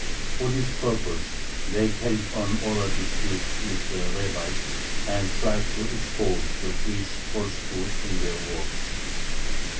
For this purpose they carried on oral disputes with the rabbis, and tried to expose the "Jewish falsehoods" in their works.